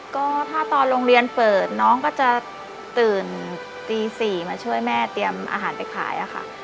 ก็ถ้าตอนโรงเรียนเปิดน้องก็จะตื่นตี๔มาช่วยแม่เตรียมอาหารไปขายค่ะ